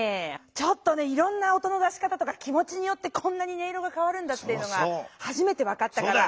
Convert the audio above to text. ちょっとねいろんな音の出し方とか気もちによってこんなに音色がかわるんだっていうのがはじめて分かったから。